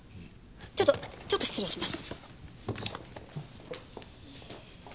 ちょっとちょっと失礼します。